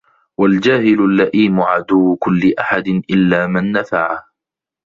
وَالْجَاهِلُ اللَّئِيمُ عَدُوُّ كُلِّ أَحَدٍ إلَّا مَنْ نَفَعَهُ